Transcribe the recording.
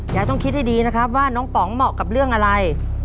ยายต้องคิดให้ดีนะครับว่าน้องป๋องเหมาะกับเรื่องอะไร